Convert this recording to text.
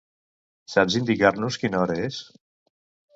Saps indicar-nos quina hora és?